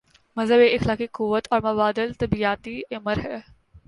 مذہب ایک اخلاقی قوت اور مابعد الطبیعیاتی امر ہے۔